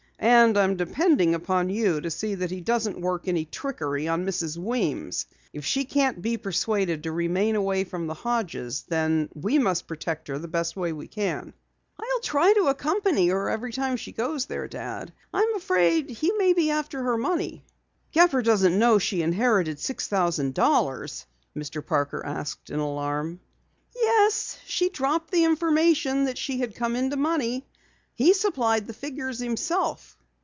And I'm depending upon you to see that he doesn't work any of his trickery on Mrs. Weems. If she can't be persuaded to remain away from the Hodges', then we must protect her as best we can." "I'll try to accompany her every time she goes there, Dad. I am afraid he may be after her money." "Gepper doesn't know she inherited six thousand dollars?" Mr. Parker asked in alarm. "Yes, she dropped the information that she had come into money. He supplied figures himself."